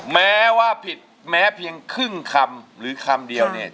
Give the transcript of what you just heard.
แม้ว่าผิดแม้เพียงครึ่งคำหรือคำเดียวเนี่ย